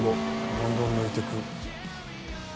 どんどん抜いていく。